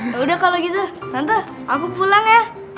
yaudah kalo gitu tante aku pulang ya